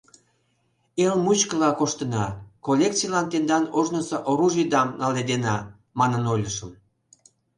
Эл мучкыла коштына, коллекцийлан тендан ожнысо оружийдам наледена, манын ойлышым.